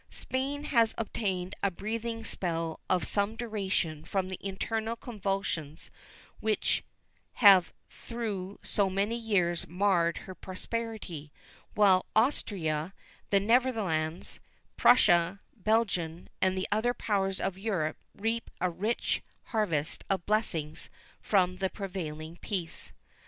Spain has obtained a breathing spell of some duration from the internal convulsions which have through so many years marred her prosperity, while Austria, the Netherlands, Prussia, Belgium, and the other powers of Europe reap a rich harvest of blessings from the prevailing peace.